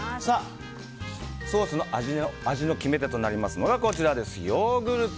ソースの味の決め手となりますのがヨーグルト。